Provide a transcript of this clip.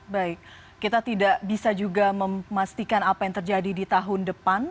baik kita tidak bisa juga memastikan apa yang terjadi di tahun depan